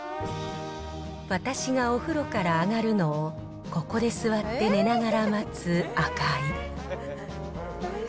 私がお風呂から上がるのを、ここで座って寝ながら待つ赤井。